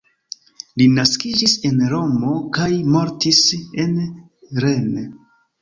Li naskiĝis en Romo kaj mortis en Rennes.